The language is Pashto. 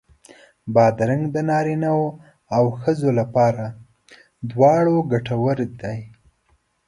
بادرنګ د نارینو او ښځو لپاره دواړو ګټور دی.